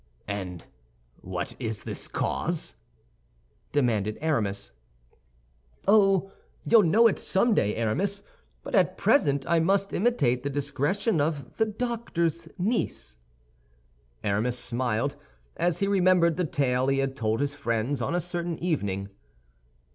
"And what is this cause?" demanded Aramis. "Oh, you'll know it someday, Aramis; but at present I must imitate the discretion of 'the doctor's niece.'" Aramis smiled, as he remembered the tale he had told his friends on a certain evening.